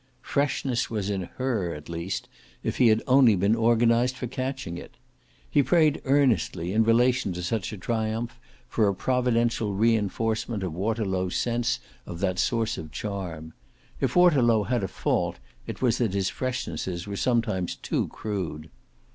Freshness was in HER at least, if he had only been organised for catching it. He prayed earnestly, in relation to such a triumph, for a providential re enforcement of Waterlow's sense of that source of charm. If Waterlow had a fault it was that his freshnesses were sometimes too crude.